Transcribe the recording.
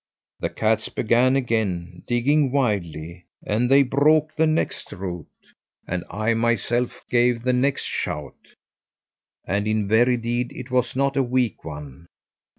The cats began again digging wildly, and they broke the next root; and I myself gave the next shout, and in very deed it was not a weak one.